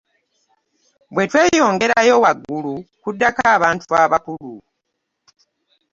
Bwe tweyongerayo waggulu kuddako abantu abakulu.